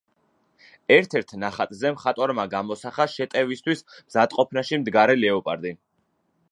ერთ-ერთ ნახატზე მხატვარმა გამოსახა შეტევისთვის მზადყოფნაში მდგარი ლეოპარდი.